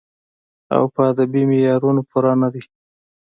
او پۀ ادبې معيارونو پوره نۀ دی